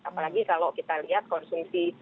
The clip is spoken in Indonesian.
apalagi kalau kita lihat konsumsi